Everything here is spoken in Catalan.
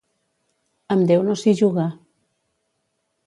Amb Déu no s'hi juga.